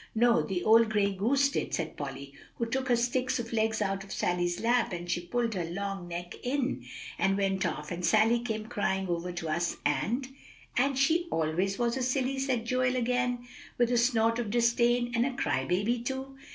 "No, the old gray goose did," said Polly; "she took her sticks of legs out of Sally's lap, and she pulled her long neck in, and went off; and Sally came crying over to us, and" "And she always was a silly," said Joel again with a snort of disdain, "and a cry baby too."